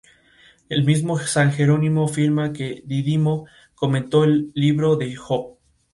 El mismo San Jerónimo afirma que Dídimo comentó el libro de Job.